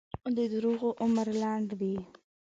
د دروغو عمر لنډ وي.